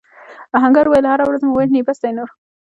آهنګر وویل هره ورځ مو وژني بس دی نور.